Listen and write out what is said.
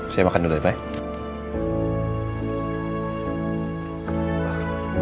saya makan dulu ya pak